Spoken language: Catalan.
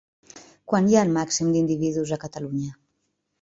Quan hi ha el màxim d'individus a Catalunya?